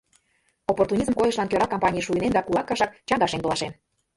Оппортунизм койышлан кӧра кампаний шуйнен да кулак кашак чаҥгашен толашен.